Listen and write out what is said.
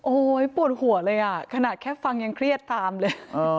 โอ้โหปวดหัวเลยอ่ะขนาดแค่ฟังยังเครียดตามเลย